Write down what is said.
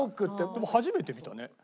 でも初めて見たね。